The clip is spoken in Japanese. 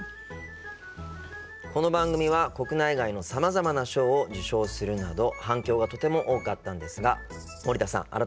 この番組は国内外のさまざまな賞を受賞するなど反響がとても多かったのですが森田さん